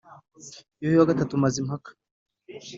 yuhi iii mazimpaka